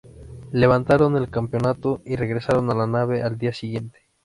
Levantaron el campamento y regresaron a la nave al día siguiente.